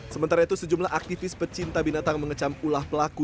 sementara itu sejumlah aktivis pecinta binatang mengecam ulah pelaku